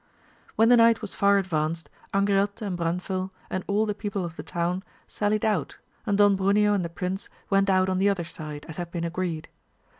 When the night was far advanced, Angriote and Branfil, and all the people of the town, salUed out, and Don Bruneo and the prince went out on the other side, as had been agreed.